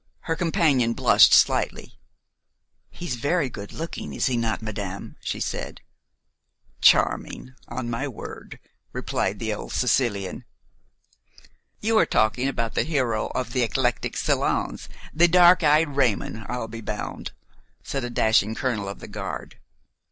Her companion blushed slightly. "He's very good looking, is he not, madame?" she said. "Charming, on my word," replied the old Sicilian. "You are talking about the hero of the eclectic salons, the dark eyed Raymon, I'll be bound," said a dashing colonel of the guard.